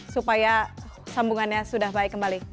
supaya sambungannya sudah baik kembali